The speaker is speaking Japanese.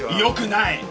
よくない。